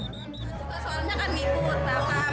ini kemulakan juga semua pada di kapal itu